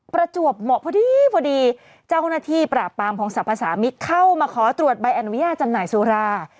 ประจวบเหมาะพอดีพอดีเจ้าหน้าที่ปราบปรามของสรรพสามิตรเข้ามาขอตรวจใบอนุญาตจำหน่ายสุรา